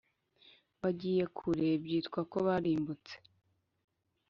bagiye kure byitwa ko barimbutse,